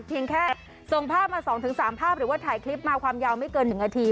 แค่ส่งภาพมา๒๓ภาพหรือว่าถ่ายคลิปมาความยาวไม่เกิน๑นาที